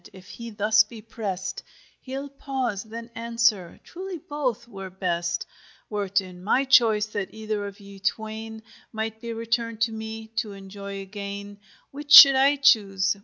If he thus be prest, He'el pause, then answere: truly both were best: Were't in my choice that either of y^e twain Might be returned to me to enjoy agayne, Which should I chuse?